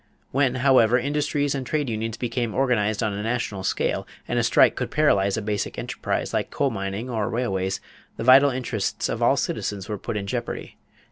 When, however, industries and trade unions became organized on a national scale and a strike could paralyze a basic enterprise like coal mining or railways, the vital interests of all citizens were put in jeopardy.